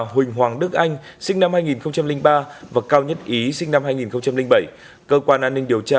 huỳnh hoàng đức anh sinh năm hai nghìn ba và cao nhất ý sinh năm hai nghìn bảy cơ quan an ninh điều tra